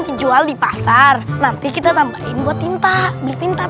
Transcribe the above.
kenapa sih ibu ibu kayak gitu